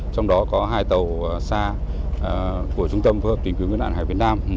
trong đó có hai tàu xa của trung tâm phương hợp tìm kiếm nạn hải việt nam